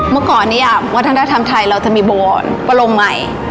เมื่อก่อนเนี่ยวัฒนธรรมไทยเราจะมีบวรบรมใหม่